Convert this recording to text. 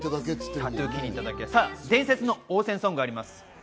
伝説の応戦ソングがあります。